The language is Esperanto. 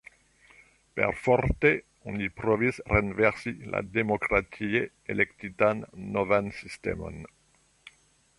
Perforte oni provis renversi la demokratie elektitan novan sistemon.